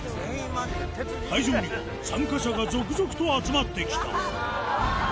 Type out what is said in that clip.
会場に参加者が続々と集まってきた。